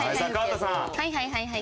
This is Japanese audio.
はいはいはいはい！